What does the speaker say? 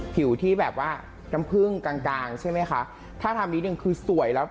ผิวที่แบบว่ากำพึ่งกลางใช่ไหมคะ